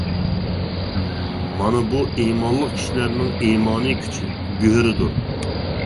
مانا بۇ ئىمانلىق كىشىلەرنىڭ ئىمانى كۈچى، گۆھىرىدۇر!